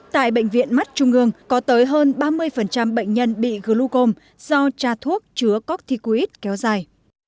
tại bệnh viện mắt trung ương có tới hơn ba mươi bệnh nhân bị glucom do trà thuốc chứa corticoid kéo dài